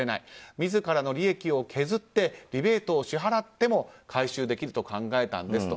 自らの利益を削ってリベートを支払っても回収できると考えたんですと。